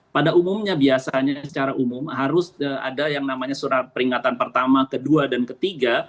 pada umumnya biasanya secara umum harus ada yang namanya surat peringatan pertama kedua dan ketiga